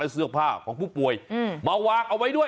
เสื้อผ้าของผู้ป่วยมาวางเอาไว้ด้วย